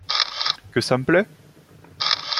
Que ça me plaît ?